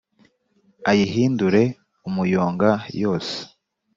ayihindure umuyonga, yose